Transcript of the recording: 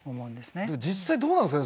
実際どうなんですかね。